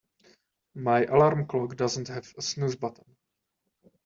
My alarm clock doesn't have a snooze button.